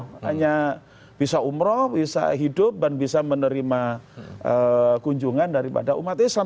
mereka hanya bisa umroh bisa hidup dan bisa menerima kunjungan daripada umat islam